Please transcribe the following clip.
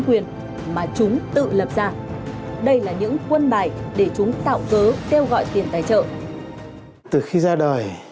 quyền mà chúng tự lập ra đây là những quân bài để chúng tạo cớ kêu gọi tiền tài trợ từ khi ra đời